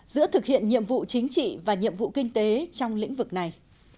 giữa thực hiện nhiệm vụ chính trị và nhiệm vụ kinh tế trong lĩnh vực này